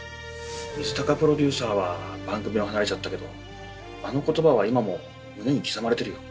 水高プロデューサーは番組を離れちゃったけどあの言葉は今も胸に刻まれてるよ。